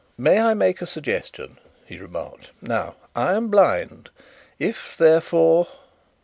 "May I make a suggestion?" he remarked. "Now, I am blind. If, therefore